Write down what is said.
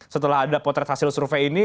setelah ada potret hasil survei ini